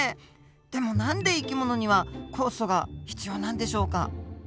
でも何で生き物には酵素が必要なんでしょうか。